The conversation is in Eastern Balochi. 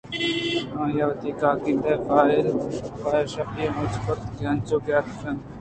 آئی ءَ وتی کاگد ءُفائل زُوت پہ اِشتاپی مچ کرت اَنت ءُانچوکہ اتکگ اِت اَنت